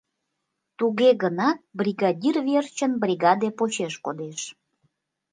Туге гынат бригадир верчын бригаде почеш кодеш.